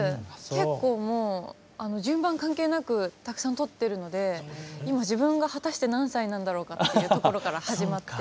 結構もう順番関係なくたくさん撮っているので今自分が果たして何歳なんだろうかというところから始まって。